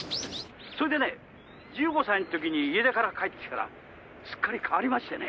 「それでね１５歳の時に家出から帰ってきてからすっかり変わりましてね」